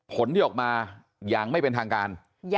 ผลที่ออกมาอย่างไม่เป็นทางการ